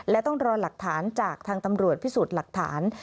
และต้องรอหลักฐานจากทางตำรวจพิสูจน์หลักฐาน